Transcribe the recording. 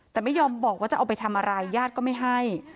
แต่ไม่ยอมบอกว่าจะเอาไปทำอะไรญาติก็ไม่ให้